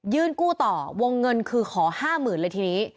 กู้ต่อวงเงินคือขอ๕๐๐๐เลยทีนี้